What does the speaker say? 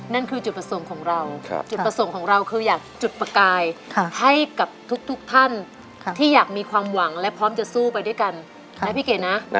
นั่นคือจุดประสงค์ของเราจุดประสงค์ของเราคืออยากจุดประกายให้กับทุกท่านที่อยากมีความหวังและพร้อมจะสู้ไปด้วยกันนะพี่เก๋นะ